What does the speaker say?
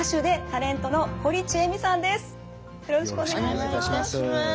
よろしくお願いします。